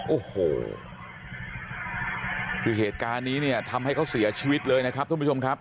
โอ้โหคือเหตุการณ์นี้เนี่ยทำให้เขาเสียชีวิตเลยนะครับทุกผู้ชมครับ